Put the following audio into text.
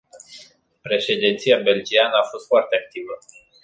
Președinția belgiană a fost foarte activă.